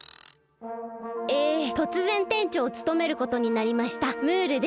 えとつぜん店長をつとめることになりましたムールです。